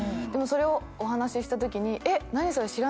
でもそれをお話ししたときに何それ？